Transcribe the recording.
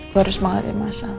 gue harus semangat ya masang